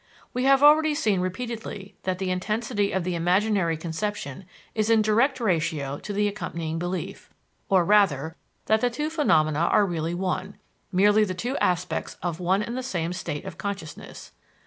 We have already seen repeatedly that the intensity of the imaginary conception is in direct ratio to the accompanying belief, or rather, that the two phenomena are really one merely the two aspects of one and the same state of consciousness.